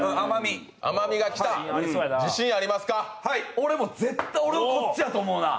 俺も絶対、こっちやと思うな。